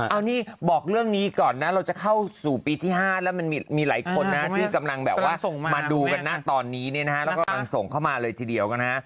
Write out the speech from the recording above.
เอานี่บอกเรื่องนี้ก่อนนะเราจะเข้าสู่ปีที่๕แล้วมีหลายคนที่กำลังส่งมาเลยทีเดียวกัน